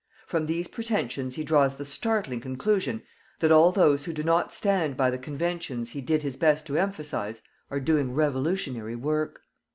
From these pretensions he draws the startling conclusion that all those who do not stand by the conventions he did his best to emphasize are doing revolutionary work.